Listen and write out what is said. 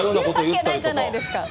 あるわけないじゃないですか。